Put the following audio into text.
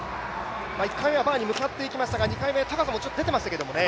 １回目はバーに向かっていきましたが２回目、高さも出てきましたね。